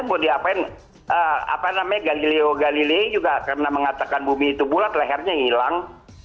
buat diapain apa namanya galio galili juga karena mengatakan bumi itu bulat lehernya hilang